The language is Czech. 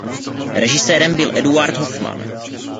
Režisérem byl Eduard Hofman.